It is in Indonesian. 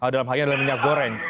dalam hal ini adalah minyak goreng